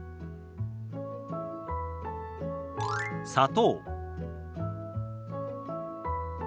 「砂糖」。